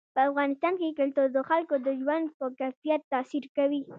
په افغانستان کې کلتور د خلکو د ژوند په کیفیت تاثیر کوي.